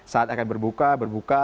saat akan berbuka berbuka